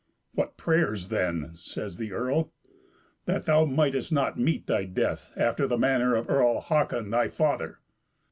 "What prayers, then?" says the earl. "That thou mightest not meet thy death after the manner of Earl Hakon, thy father."